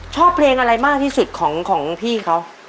ชอบเพลงอะไรมากที่สุดของพี่เขา